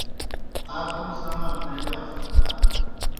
آ کوْم سیْݨا تھیگاس بوْ یا